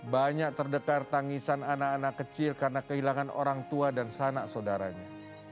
banyak terdekat tangisan anak anak kecil karena kehilangan orang tua dan sanak saudaranya